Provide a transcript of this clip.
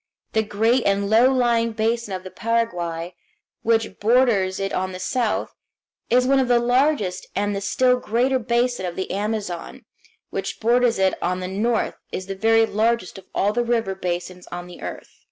The great and low lying basin of the Paraguay, which borders it on the south, is one of the largest, and the still greater basin of the Amazon, which borders it on the north, is the very largest of all the river basins of the earth.